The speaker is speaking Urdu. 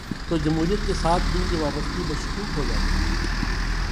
تو جمہوریت کے ساتھ ان کی وابستگی مشکوک ہو جا تی ہے۔